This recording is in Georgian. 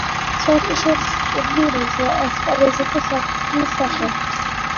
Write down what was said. საერთაშორისო ტურნირებზე ასპარეზობდა საქართველოს სახელით.